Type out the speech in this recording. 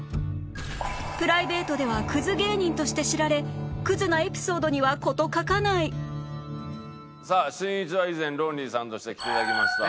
プライベートではクズ芸人として知られクズなエピソードには事欠かないさあしんいちは以前ロンリーさんとして来ていただきました。